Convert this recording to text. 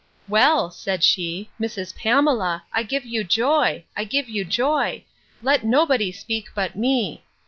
Well, said she, Mrs. Pamela, I give you joy! I give you joy!—Let nobody speak but me!